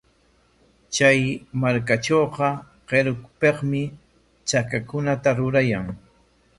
Chay markatrawqa qirupikmi chakakunata rurayan.